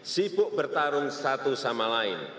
sibuk bertarung satu sama lain